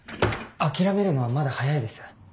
諦めるのはまだ早いです。